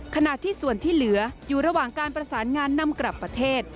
ขณะที่ส่วนที่เหลืออยู่ระหว่างการประสานงานนำกลับประเทศ